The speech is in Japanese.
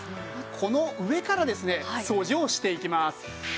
この上からですね掃除をしていきます。